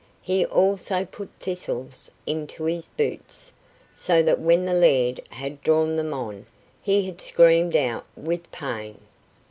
He also put thistles into his boots, so that when the laird had drawn them on he had screamed out with pain.